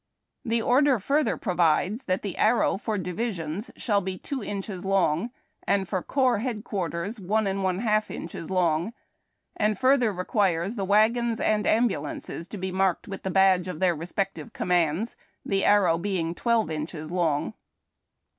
The order further provides that the arrow for divisions shall be two inches long, and for corps headquarters one and one half inches long, and further requires the wagons and ambulances to be marked with the badge of their respective commands, the arrow being twelve inches long.